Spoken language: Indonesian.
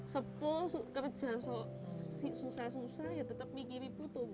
sepul kerja susah susah ya tetap mikirin putung